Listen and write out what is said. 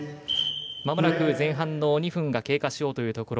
まもなく前半の２分が経過しようというところ。